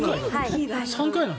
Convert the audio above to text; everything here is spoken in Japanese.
３回なの？